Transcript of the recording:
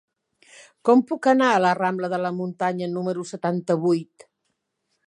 Com puc anar a la rambla de la Muntanya número setanta-vuit?